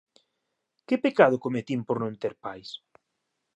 ¿Que pecado cometín por non ter pais?